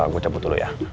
gue cabut dulu ya